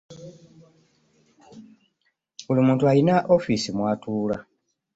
Buli muntu alina offisi mwatuula.